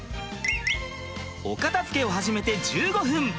お片づけを始めて１５分。